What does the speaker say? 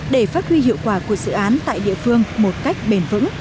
để phát huy hiệu quả của dự án tại địa phương một cách bền vững